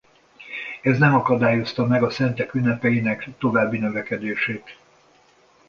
Ez nem akadályozta meg a szentek ünnepeinek a további növekedését.